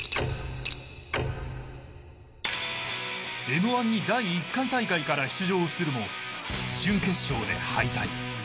Ｍ‐１に第１回大会から出場するも、準決勝で敗退。